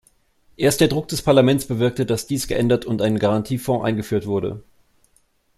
Erst der Druck des Parlaments bewirkte, dass dies geändert und ein Garantiefonds eingeführt wurde.